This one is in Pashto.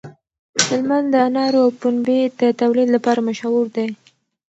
هلمند د انارو او پنبې د تولید لپاره مشهور دی.